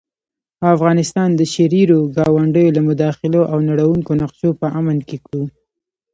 او افغانستان د شريرو ګاونډيو له مداخلو او نړوونکو نقشو په امن کې کړو